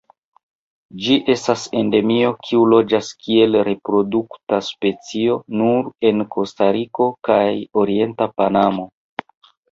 Ĝi estas endemio kiu loĝas kiel reprodukta specio nur en Kostariko kaj orienta Panamo.